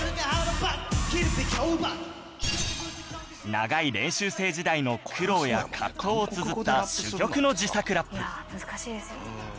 長い練習生時代の苦労や葛藤をつづった珠玉の自作ラップ